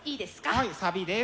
はいサビです。